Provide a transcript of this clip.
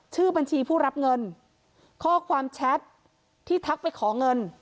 ชื่อบัญชีผู้รับเงินข้อความแชทที่ทักไปขอเงิน